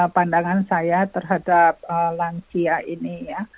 pandangan saya terhadap lansia ini ya